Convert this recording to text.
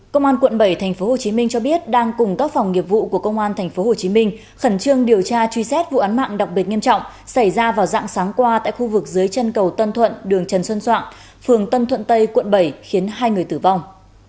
công an quận bảy tp hcm cho biết đang cùng các phòng nghiệp vụ của công an tp hcm khẩn trương điều tra truy xét vụ án mạng đặc biệt nghiêm trọng xảy ra vào dạng sáng qua tại khu vực dưới chân cầu tân thuận đường trần xuân soạn phường tân thuận tây quận bảy khiến hai người tử vong